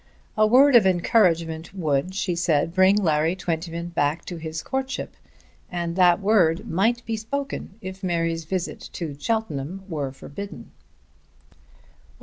A word of encouragement would, she said, bring Larry Twentyman back to his courtship, and that word might be spoken, if Mary's visit to Cheltenham were forbidden.